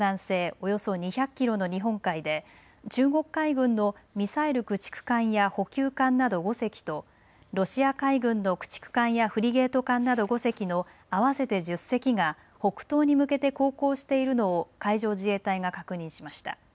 およそ２００キロの日本海で中国海軍のミサイル駆逐艦や補給艦など５隻とロシア海軍の駆逐艦やフリゲート艦など５隻の合わせて１０隻が北東に向けて航行しているのを海上自衛隊が確認しました。